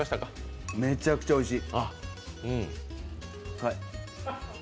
めちゃくちゃおいしい。